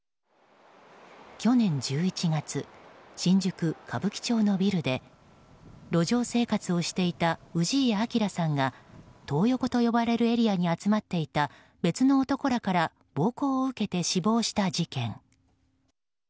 去年１１月新宿・歌舞伎町のビルで路上生活をしていた氏家彰さんがトー横と呼ばれるエリアに集まっていた別の男らから暴行を受け死亡した事件。